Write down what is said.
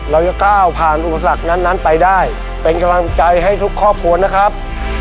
เราจะก้าวผ่านอุปสรรคนั้นไปได้เป็นกำลังใจให้ทุกครอบครัวนะครับ